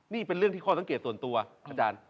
นี่เป็นเรื่องที่ข้อสังเกตส่วนตัวอาจารย์